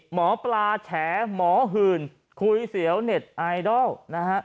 หมอปลาแฉหมอหื่นคุยเสียวเน็ตไอดอลนะฮะ